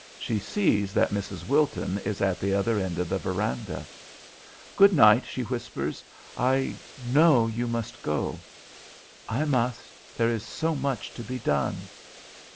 She sees that Mrs. Wilton is at the other end of the veranda. "Good night," she whispers. "I know you must go." "I must. There is so much to be done."